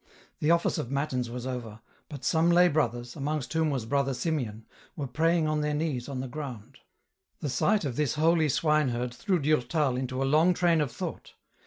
The office of Matins was over, but some lay brothers, amongst whom was Brother Simeon, were praying on their knees on the ground. The sight of this holy swine herd threw Durtal into a long train of thought.